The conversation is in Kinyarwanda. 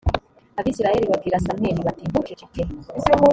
abisirayeli babwira samweli bati “ntuceceke”